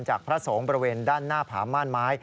พระสงฆ์บริเวณด้านหน้าผาม่านไม้